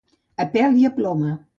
A pèl i a ploma.